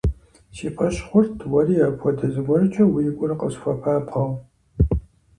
Си фӀэщ хъурт уэри апхуэдэ зыгуэркӀэ уи гур къысхуэпабгъэу.